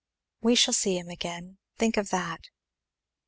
"We shall see him again. Think of that."